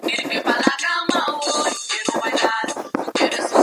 Su objetivo es incentivar el conocimiento de la economía y la educación financiera.